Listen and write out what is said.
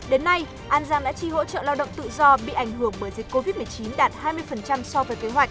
đến nay an giang đã chi hỗ trợ lao động tự do bị ảnh hưởng bởi dịch covid một mươi chín đạt hai mươi so với kế hoạch